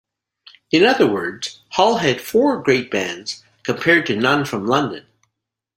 In other words, Hull had four great bands, compared to none from London.